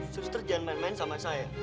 suster jangan main main sama saya